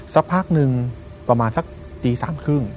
สักพักหนึ่งประมาณสักตี๓๓๐